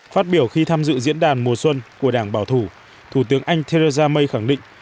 phát biểu khi tham dự diễn đàn mùa xuân của đảng bảo thủ thủ tướng anh theresa may khẳng định